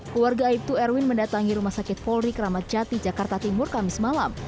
keluarga aibtu erwin mendatangi rumah sakit polri kramat jati jakarta timur kamis malam